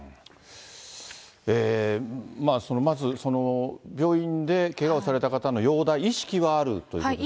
まず病院でけがをされた方の容体、意識はあるということです